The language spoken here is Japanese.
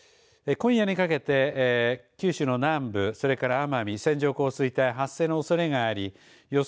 今夜にかけて九州の南部それから奄美、線状降水帯発生のおそれがあり予想